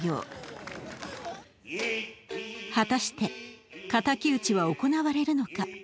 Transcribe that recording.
果たして敵討は行われるのか。